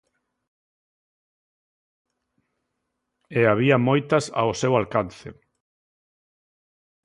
E había moitas ao seu alcance.